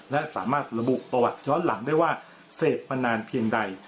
และสามารถระบุประวัติย้อนหลังได้ว่าเสพมานานเพียงใด